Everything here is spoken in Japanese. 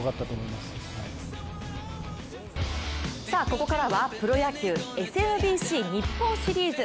ここからはプロ野球ＳＭＢＣ日本シリーズ。